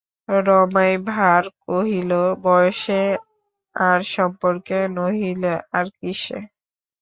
রমাই ভাঁড় কহিল, বয়সে আর সম্পর্কে, নহিলে আর কিসে?